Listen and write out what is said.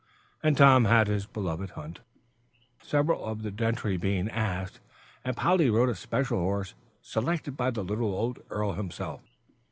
And Tom had his beloved hunt, several of the gentry being asked. And Polly rode a special horse selected by the little old earl himself.